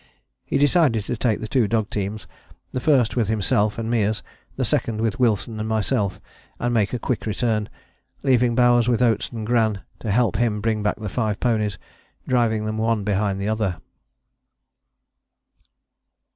He decided to take the two dog teams, the first with himself and Meares, the second with Wilson and myself, and make a quick return, leaving Bowers with Oates and Gran to help him to bring back the five ponies, driving them one behind the other.